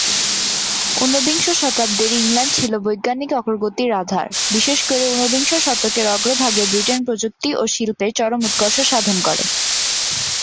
ঊনবিংশ শতাব্দীর ইংল্যান্ড ছিল বৈজ্ঞানিক অগ্রগতির আধার; বিশেষ করে ঊনবিংশ শতকের অগ্রভাগে ব্রিটেন প্রযুক্তি ও শিল্পে চরম উৎকর্ষ সাধন করে।